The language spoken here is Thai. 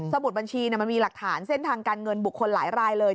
บุดบัญชีมันมีหลักฐานเส้นทางการเงินบุคคลหลายรายเลย